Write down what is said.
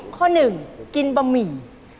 ข้อหนึ่งกินบะหมี่